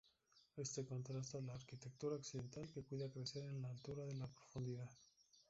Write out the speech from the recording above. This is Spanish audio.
Este contrasta la arquitectura occidental, que cuida crecer en la altura y la profundidad.